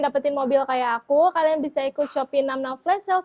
terima kasih shopee